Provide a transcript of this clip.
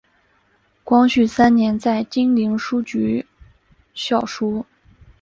光绪三年在金陵书局校书。